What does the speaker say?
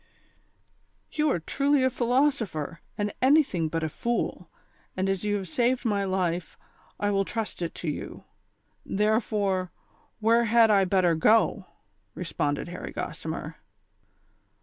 " You are truly a philosopher, and anything but a fool, and as you have saved my life, I will trust it to you ; there fore, where had I better go V " responded Harry Gossimer.